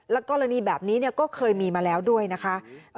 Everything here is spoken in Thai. กรณีแบบนี้ก็เคยมีมาแล้วด้วยนะคะ